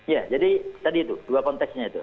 ya jadi tadi itu dua konteksnya itu